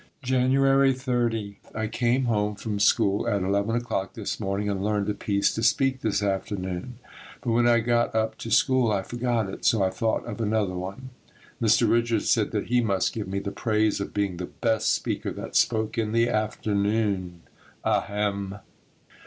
January 30. I came home from school at eleven o'clock this morning and learned a piece to speak this afternoon, but when I got up to school I forgot it, so I thought of another one. Mr. Richards said that he must give me the praise of being the best speaker that spoke in the afternoon. Ahem!